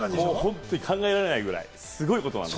本当に考えられないくらい、すごいことなんです。